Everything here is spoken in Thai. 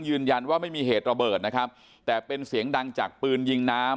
ยืนยันว่าไม่มีเหตุระเบิดนะครับแต่เป็นเสียงดังจากปืนยิงน้ำ